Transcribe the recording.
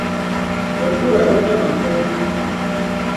Bəbūrə bə nə mə kɔ̄.